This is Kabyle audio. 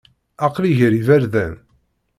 Aqli gar iberdan.